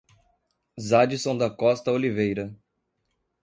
Zaidisson da Costa Oliveira